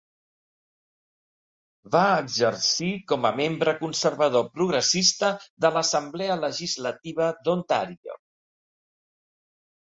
Va exercir com a membre conservador progressista de l'Assemblea Legislativa d'Ontario.